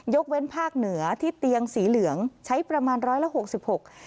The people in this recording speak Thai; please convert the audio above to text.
ยกเว้นภาคเหนือที่เตียงสีเหลืองใช้ประมาณ๑๖๖เตียง